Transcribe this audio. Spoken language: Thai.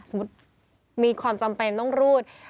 สมมุติมีความจำเป็นต้องรูด